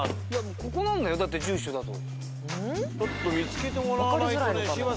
ここなんだよだって住所だと。